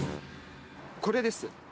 これです。